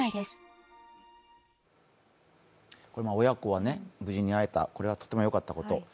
親子は無事に会えた、これはとてもよかったこと。